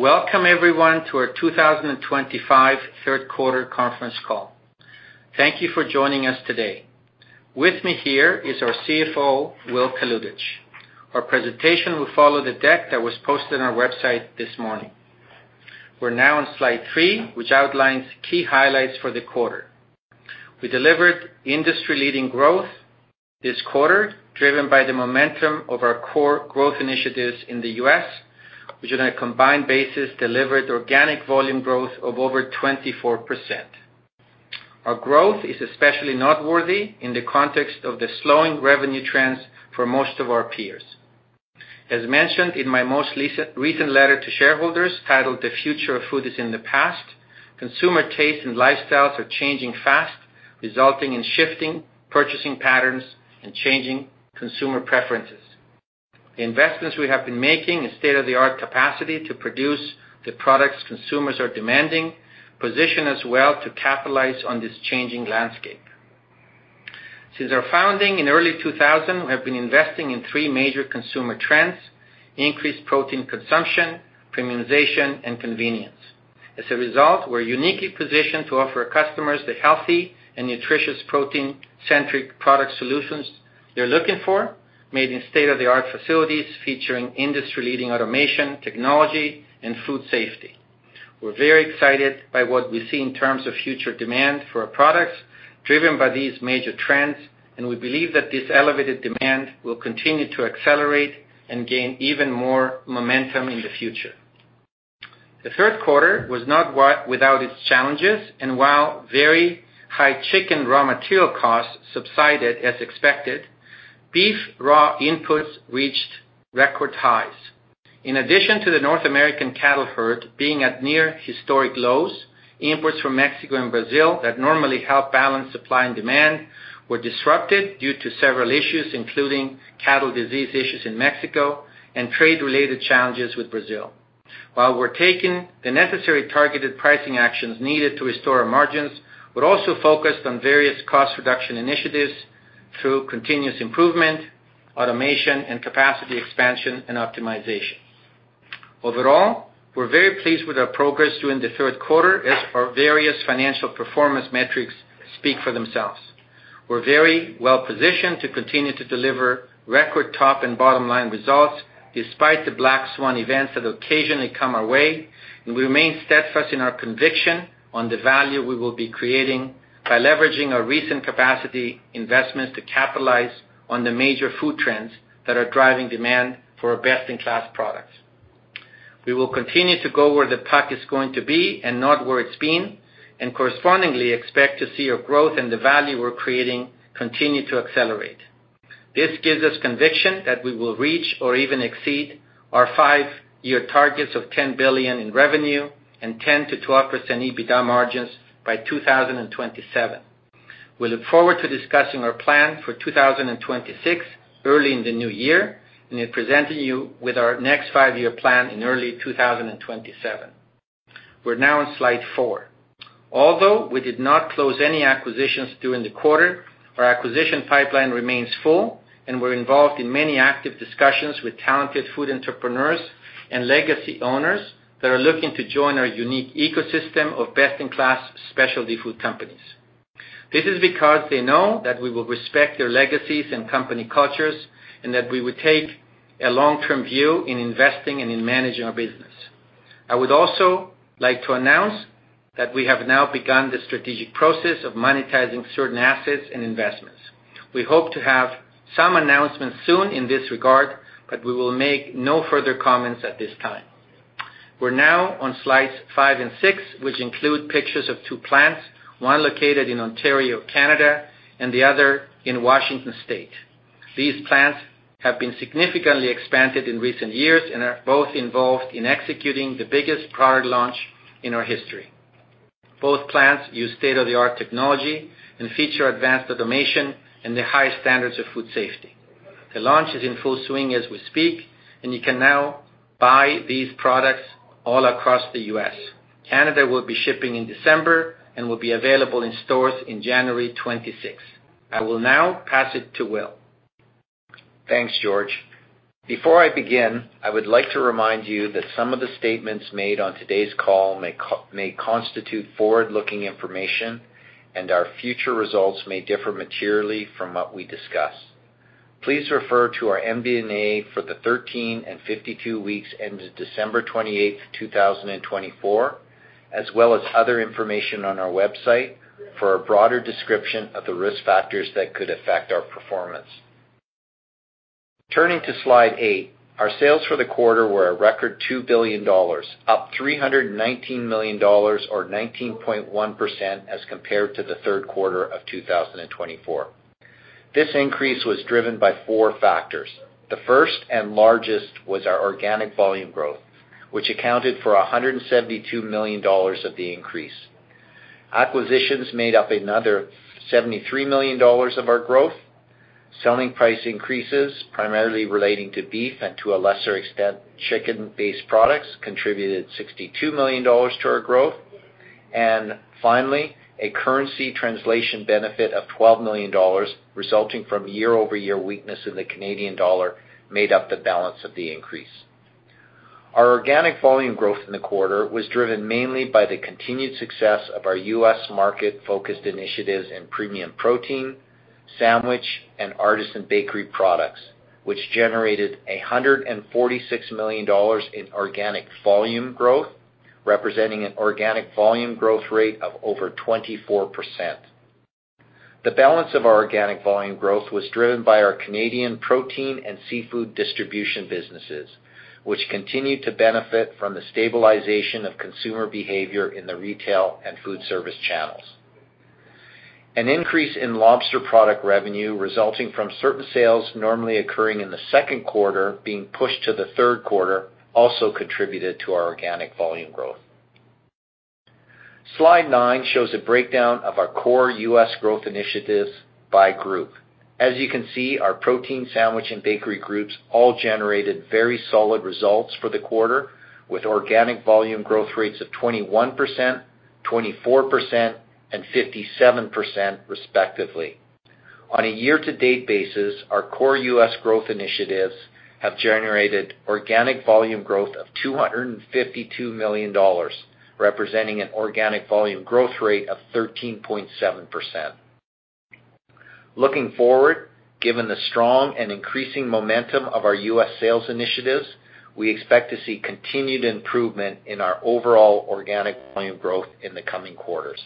Welcome, everyone, to our 2025 third quarter conference call. Thank you for joining us today. With me here is our CFO, Will Kalutycz. Our presentation will follow the deck that was posted on our website this morning. We're now on Slide 3, which outlines key highlights for the quarter. We delivered industry-leading growth this quarter, driven by the momentum of our core growth initiatives in the U.S., which, on a combined basis, delivered organic volume growth of over 24%. Our growth is especially noteworthy in the context of the slowing revenue trends for most of our peers. As mentioned in my most recent letter to shareholders, titled "The Future of Food is in the Past," consumer tastes and lifestyles are changing fast, resulting in shifting purchasing patterns and changing consumer preferences. The investments we have been making in state-of-the-art capacity to produce the products consumers are demanding position us well to capitalize on this changing landscape. Since our founding in early 2000, we have been investing in three major consumer trends: increased protein consumption, premiumization, and convenience. As a result, we're uniquely positioned to offer customers the healthy and nutritious protein-centric product solutions they're looking for, made in state-of-the-art facilities featuring industry-leading automation, technology, and food safety. We're very excited by what we see in terms of future demand for our products driven by these major trends, and we believe that this elevated demand will continue to accelerate and gain even more momentum in the future. The third quarter was not without its challenges, and while very high chicken raw material costs subsided as expected, beef raw inputs reached record highs. In addition to the North American cattle herd being at near-historic lows, imports from Mexico and Brazil that normally help balance supply and demand were disrupted due to several issues, including cattle disease issues in Mexico and trade-related challenges with Brazil. While we're taking the necessary targeted pricing actions needed to restore our margins, we're also focused on various cost-reduction initiatives through continuous improvement, automation, and capacity expansion and optimization. Overall, we're very pleased with our progress during the third quarter, as our various financial performance metrics speak for themselves. We're very well-positioned to continue to deliver record top and bottom-line results despite the black swan events that occasionally come our way, and we remain steadfast in our conviction on the value we will be creating by leveraging our recent capacity investments to capitalize on the major food trends that are driving demand for our best-in-class products. We will continue to go where the puck is going to be and not where it's been, and correspondingly expect to see our growth and the value we're creating continue to accelerate. This gives us conviction that we will reach or even exceed our five-year targets of CAD 10 billion in revenue and 10%-12% EBITDA margins by 2027. We look forward to discussing our plan for 2026 early in the new year and presenting you with our next five-year plan in early 2027. We're now on Slide 4. Although we did not close any acquisitions during the quarter, our acquisition pipeline remains full, and we're involved in many active discussions with talented food entrepreneurs and legacy owners that are looking to join our unique ecosystem of best-in-class specialty food companies. This is because they know that we will respect their legacies and company cultures and that we would take a long-term view in investing and in managing our business. I would also like to announce that we have now begun the strategic process of monetizing certain assets and investments. We hope to have some announcements soon in this regard, but we will make no further comments at this time. We're now on Slides 5 and 6, which include pictures of two plants, one located in Ontario, Canada, and the other in Washington State. These plants have been significantly expanded in recent years and are both involved in executing the biggest product launch in our history. Both plants use state-of-the-art technology and feature advanced automation and the highest standards of food safety. The launch is in full swing as we speak, and you can now buy these products all across the U.S. Canada will be shipping in December and will be available in stores in January 26. I will now pass it to Will. Thanks, George. Before I begin, I would like to remind you that some of the statements made on today's call may constitute forward-looking information, and our future results may differ materially from what we discuss. Please refer to our MD&A for the 13 and 52 weeks ended December 28, 2024, as well as other information on our website for a broader description of the risk factors that could affect our performance. Turning to Slide 8, our sales for the quarter were a record $2 billion, up $319 million or 19.1% as compared to the third quarter of 2024. This increase was driven by four factors. The first and largest was our organic volume growth, which accounted for $172 million of the increase. Acquisitions made up another $73 million of our growth. Selling price increases, primarily relating to beef and to a lesser extent chicken-based products, contributed 62 million dollars to our growth, and finally, a currency translation benefit of 12 million dollars resulting from year-over-year weakness in the Canadian dollar made up the balance of the increase. Our organic volume growth in the quarter was driven mainly by the continued success of our U.S. market-focused initiatives in premium protein, sandwich, and artisan bakery products, which generated 146 million dollars in organic volume growth, representing an organic volume growth rate of over 24%. The balance of our organic volume growth was driven by our Canadian protein and seafood distribution businesses, which continued to benefit from the stabilization of consumer behavior in the retail and food service channels. An increase in lobster product revenue resulting from certain sales normally occurring in the second quarter being pushed to the third quarter also contributed to our organic volume growth. Slide 9 shows a breakdown of our core U.S. growth initiatives by group. As you can see, our protein, sandwich, and bakery groups all generated very solid results for the quarter, with organic volume growth rates of 21%, 24%, and 57%, respectively. On a year-to-date basis, our core U.S. growth initiatives have generated organic volume growth of 252 million dollars, representing an organic volume growth rate of 13.7%. Looking forward, given the strong and increasing momentum of our U.S. sales initiatives, we expect to see continued improvement in our overall organic volume growth in the coming quarters.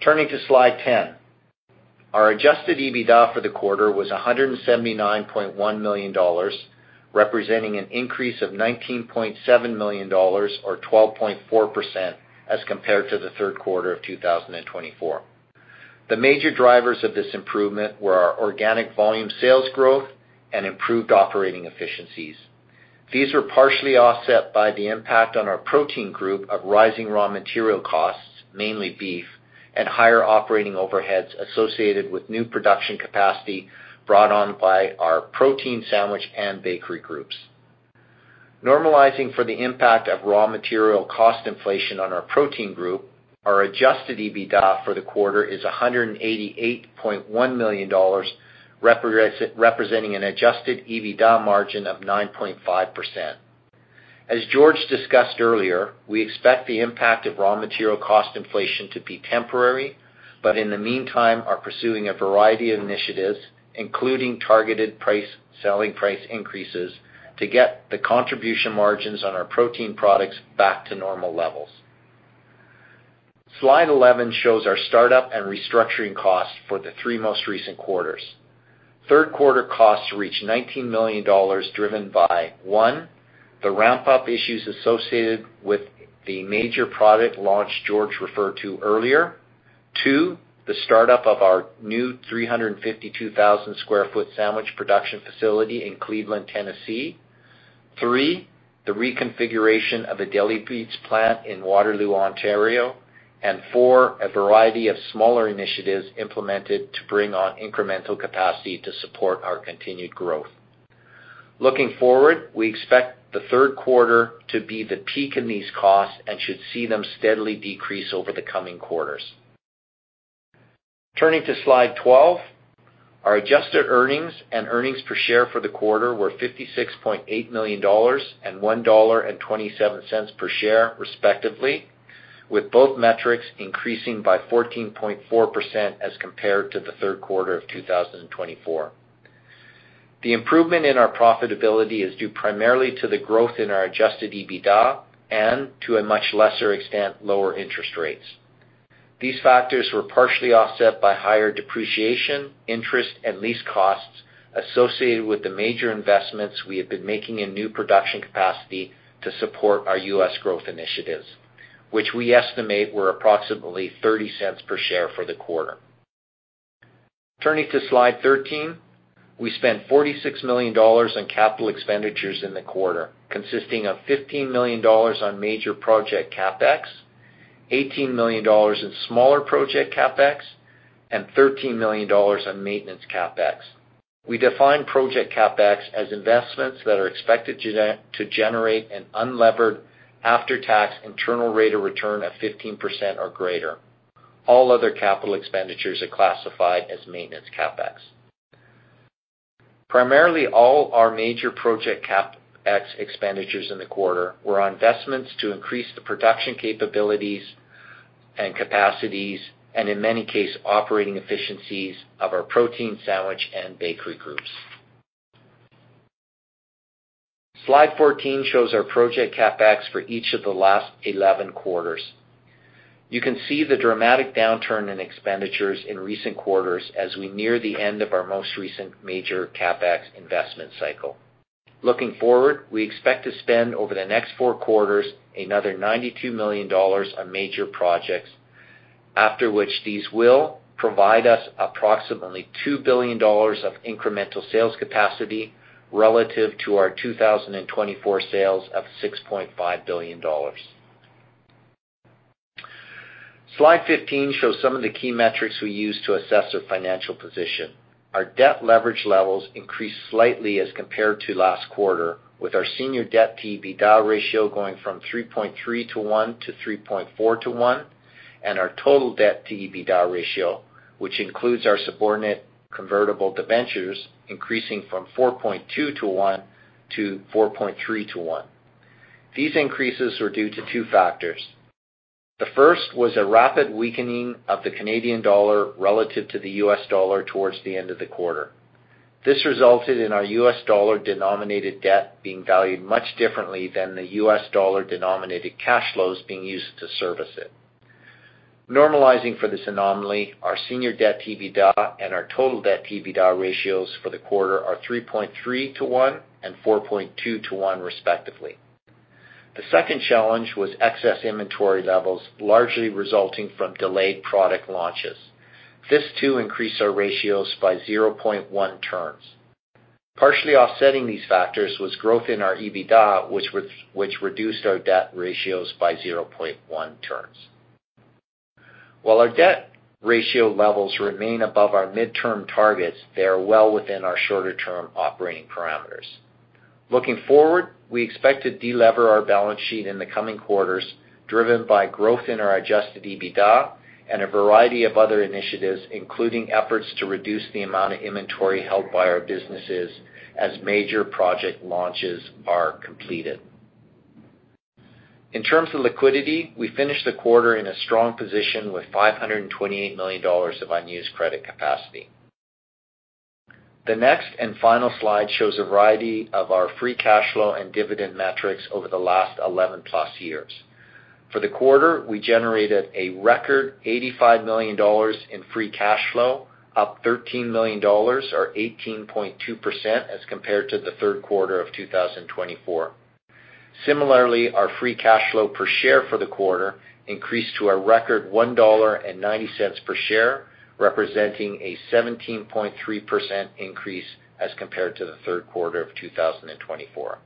Turning to Slide 10, our Adjusted EBITDA for the quarter was 179.1 million dollars, representing an increase of 19.7 million dollars or 12.4% as compared to the third quarter of 2024. The major drivers of this improvement were our organic volume sales growth and improved operating efficiencies. These were partially offset by the impact on our protein group of rising raw material costs, mainly beef, and higher operating overheads associated with new production capacity brought on by our protein, sandwich, and bakery groups. Normalizing for the impact of raw material cost inflation on our protein group, our Adjusted EBITDA for the quarter is 188.1 million dollars, representing an Adjusted EBITDA margin of 9.5%. As George discussed earlier, we expect the impact of raw material cost inflation to be temporary, but in the meantime, we are pursuing a variety of initiatives, including targeted selling price increases, to get the contribution margins on our protein products back to normal levels. Slide 11 shows our startup and restructuring costs for the three most recent quarters. Third quarter costs reached 19 million dollars, driven by, one, the ramp-up issues associated with the major product launch George referred to earlier, two, the startup of our new 352,000 sq ft sandwich production facility in Cleveland, Tennessee, three, the reconfiguration of a deli meats plant in Waterloo, Ontario, and four, a variety of smaller initiatives implemented to bring on incremental capacity to support our continued growth. Looking forward, we expect the third quarter to be the peak in these costs and should see them steadily decrease over the coming quarters. Turning to Slide 12, our adjusted earnings and earnings per share for the quarter were 56.8 million dollars and 1.27 dollar per share, respectively, with both metrics increasing by 14.4% as compared to the third quarter of 2024. The improvement in our profitability is due primarily to the growth in our Adjusted EBITDA and, to a much lesser extent, lower interest rates. These factors were partially offset by higher depreciation, interest, and lease costs associated with the major investments we had been making in new production capacity to support our U.S. growth initiatives, which we estimate were approximately 0.30 per share for the quarter. Turning to Slide 13, we spent 46 million dollars on capital expenditures in the quarter, consisting of 15 million dollars on major Project CapEx, 18 million dollars in smaller Project CapEx, and 13 million dollars on Maintenance CapEx. We define project CapEx as investments that are expected to generate an unlevered after-tax internal rate of return of 15% or greater. All other capital expenditures are classified as maintenance CapEx. Primarily, all our major project CapEx expenditures in the quarter were on investments to increase the production capabilities and capacities, and in many cases, operating efficiencies of our protein, sandwich, and bakery groups. Slide 14 shows our project CapEx for each of the last 11 quarters. You can see the dramatic downturn in expenditures in recent quarters as we near the end of our most recent major CapEx investment cycle. Looking forward, we expect to spend over the next four quarters another 92 million dollars on major projects, after which these will provide us approximately 2 billion dollars of incremental sales capacity relative to our 2024 sales of CAD 6.5 billion. Slide 15 shows some of the key metrics we use to assess our financial position. Our debt leverage levels increased slightly as compared to last quarter, with our senior debt-to-EBITDA ratio going from 3.3 to 1 to 3.4 to 1, and our total debt-to-EBITDA ratio, which includes our subordinated convertible debentures, increasing from 4.2 to 1 to 4.3 to 1. These increases were due to two factors. The first was a rapid weakening of the Canadian dollar relative to the U.S. dollar towards the end of the quarter. This resulted in our U.S. dollar-denominated debt being valued much differently than the U.S. dollar-denominated cash flows being used to service it. Normalizing for this anomaly, our senior debt-to-EBITDA and our total debt-to-EBITDA ratios for the quarter are 3.3 to 1 and 4.2 to 1, respectively. The second challenge was excess inventory levels, largely resulting from delayed product launches. This too increased our ratios by 0.1 turns. Partially offsetting these factors was growth in our EBITDA, which reduced our debt ratios by 0.1 turns. While our debt ratio levels remain above our midterm targets, they are well within our shorter-term operating parameters. Looking forward, we expect to delever our balance sheet in the coming quarters, driven by growth in our adjusted EBITDA and a variety of other initiatives, including efforts to reduce the amount of inventory held by our businesses as major project launches are completed. In terms of liquidity, we finished the quarter in a strong position with 528 million dollars of unused credit capacity. The next and final Slide shows a variety of our free cash flow and dividend metrics over the last 11-plus years. For the quarter, we generated a record 85 million dollars in free cash flow, up 13 million dollars or 18.2% as compared to the third quarter of 2024. Similarly, our free cash flow per share for the quarter increased to a record 1.90 dollar per share, representing a 17.3% increase as compared to the third quarter of 2024.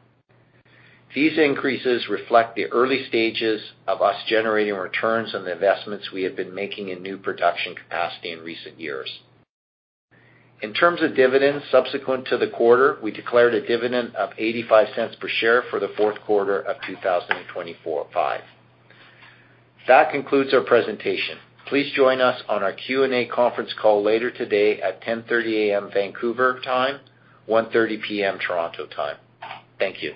These increases reflect the early stages of us generating returns on the investments we have been making in new production capacity in recent years. In terms of dividends, subsequent to the quarter, we declared a dividend of 0.85 per share for the fourth quarter of 2025. That concludes our presentation. Please join us on our Q&A conference call later today at 10:30 A.M. Vancouver time, 1:30 P.M. Toronto time. Thank you.